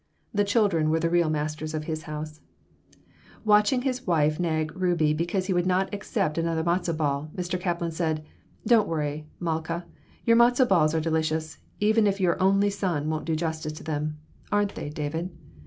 The children were the real masters of his house Watching his wife nag Rubie because he would not accept another matzo ball, Mr. Kaplan said: "Don't worry, Malkah. Your matzo balls are delicious, even if your 'only son' won't do justice to them. Aren't they, David?"